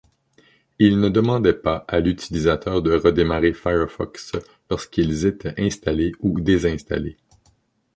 Ils ne demandaient pas à l'utilisateur de redémarrer Firefox lorsqu'ils étaient installés ou désinstallés.